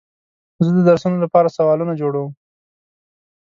زه د درسونو لپاره سوالونه جوړوم.